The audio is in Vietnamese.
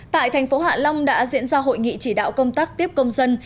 tại thành phố hạ long đã diễn ra hội nghị chỉ đạo công tác tiếp công dân